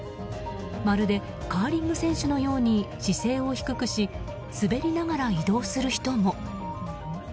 まるでカーリング選手のように姿勢を低くし滑りながら移動する人も。